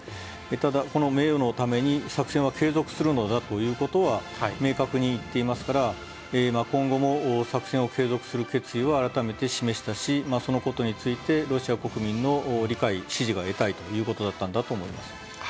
ただ、この名誉のために作戦は継続するのだということは、明確に言っていますから、今後も作戦を継続する決意を改めて示したし、そのことについて、ロシア国民の理解、支持が得たいということだったんだと思います。